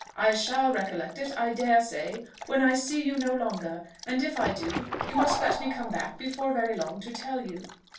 I shall recollect it, I dare say, when I see you no longer; and if I do, you must let me come back before very long to tell you."